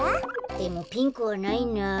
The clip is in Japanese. でもピンクはないな。